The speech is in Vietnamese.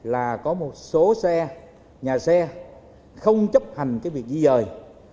là có một số xe nhà xe không chấp hành cái việc di dời